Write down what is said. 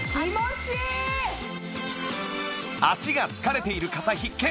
足が疲れている方必見！